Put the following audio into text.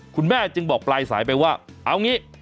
คุณแม่จึงบอกปลายสายไปว่าเอางี้